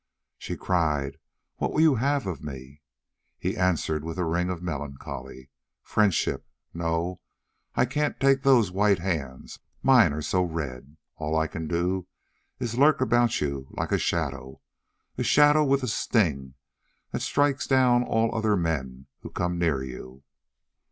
She cried: "What will you have of me?" He answered with a ring of melancholy: "Friendship? No, I can't take those white hands mine are so red. All I can do is to lurk about you like a shadow a shadow with a sting that strikes down all other men who come near you."